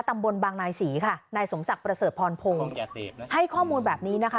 ตำบลบางนายศรีค่ะนายสมศักดิ์ประเสริฐพรพงศ์ให้ข้อมูลแบบนี้นะคะ